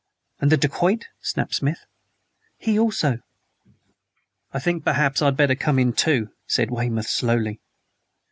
"And the dacoit?" snapped Smith. "He also." "I think perhaps I'd better come in, too," said Weymouth slowly.